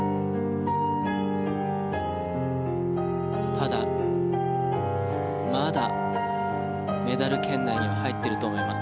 ただ、まだメダル圏内に入っていると思います。